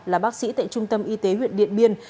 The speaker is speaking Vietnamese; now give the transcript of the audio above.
là bác sĩ tại trung tâm y tế huyện điện biên